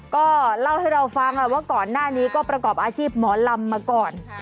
ก็เล่าให้เราฟังว่าก่อนหน้านี้ก็ประกอบอาชีพหมอลำมาก่อน